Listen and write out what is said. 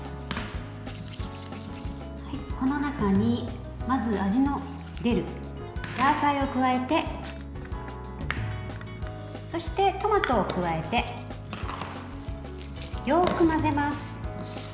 この中にまず、味の出るザーサイを加えてそしてトマトを加えてよく混ぜます。